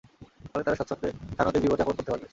ফলে তারা স্বচ্ছন্দে সানন্দে জীবন যাপন করতে পারবে।